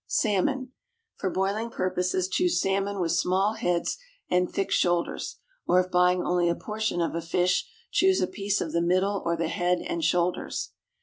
=Salmon.= For boiling purposes choose salmon with small heads and thick shoulders, or if buying only a portion of a fish, choose a piece of the middle or the head and shoulders.